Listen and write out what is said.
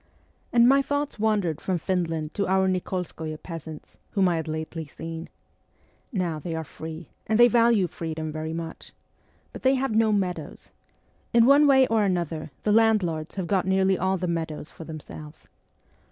And my thoughts wandered from Finland to our Nik61skoye peasants, whom I had lately seen. Now they are free, and they value freedom very much. But they have no meadows. In one way or another the landlords have got nearly all the meadows for them selves.